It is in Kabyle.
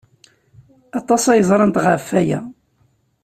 Aṭas ay ẓrant ɣef waya.